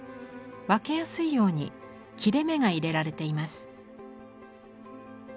分けやすいように切れ目が入れられています。